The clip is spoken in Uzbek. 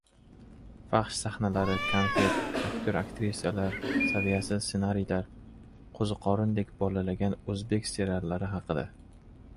Fahsh sahnalar, “konfet” aktyor-aktrisalar, saviyasiz ssenariylar. Qo‘ziqorindek bolalagan o‘zbek seriallari haqida